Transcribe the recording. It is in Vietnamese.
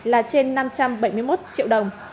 là trên năm trăm bảy mươi một triệu đồng